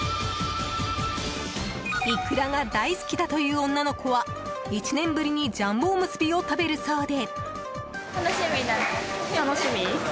イクラが大好きだという女の子は１年ぶりにジャンボおむすびを食べるそうで。